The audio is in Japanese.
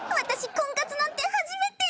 婚活なんて初めて！